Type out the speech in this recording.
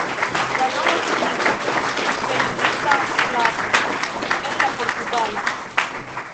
La nomo signifas "liberigita sklavo" en la portugala.